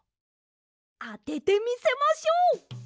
あててみせましょう！